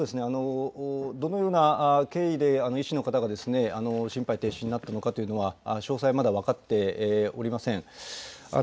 どのような経緯で、医師の方が心肺停止になったのかというのは、詳細はまだ分かっておりません。